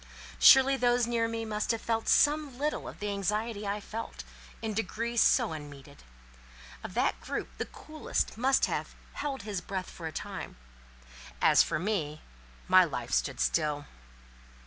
Surely those near me must have felt some little of the anxiety I felt, in degree so unmeted. Of that group the coolest must have "held his breath for a time!" As for me, my life stood still.